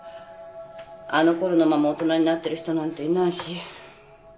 あのころのまま大人になってる人なんていないし。